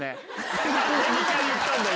何で２回言ったんだよ！